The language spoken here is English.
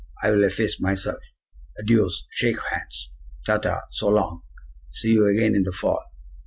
I will efface myself. Adios! Shake hands! Ta ta! So long! See you again in the fall.'